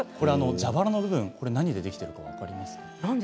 蛇腹の部分何でできているか分かりますか？